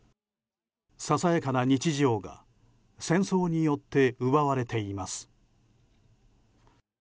ささやかな日常が戦争によって奪われています。